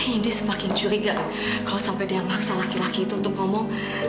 ini semakin curiga kalau sampai dia maksa laki laki itu untuk ngomong